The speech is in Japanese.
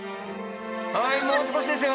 はいもう少しですよ。